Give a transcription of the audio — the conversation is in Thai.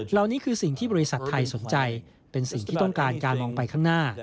เหล่านี้คือสิ่งที่บริษัทไทยสนใจเป็นสิ่งที่ต้องการการมองไปข้างหน้า